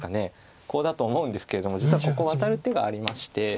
コウだと思うんですけれども実はここワタる手がありまして。